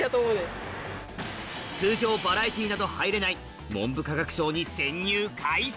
通常バラエティーなど入れない文部科学省に潜入開始